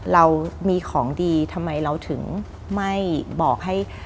เรามีของดีทำไมเราถึงไม่บอกให้